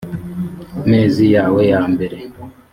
mezi yawe ya mbere